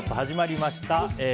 始まりました。